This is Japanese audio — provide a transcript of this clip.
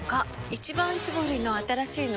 「一番搾り」の新しいの？